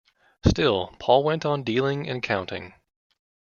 Still Paul went on dealing and counting.